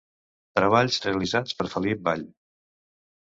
Treballs realitzats per Felip Vall.